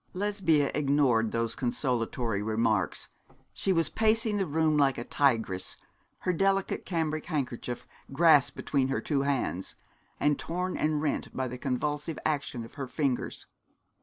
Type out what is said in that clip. Lesbia ignored these consolatory remarks. She was pacing the room like a tigress, her delicate cambric handkerchief grasped between her two hands, and torn and rent by the convulsive action of her fingers.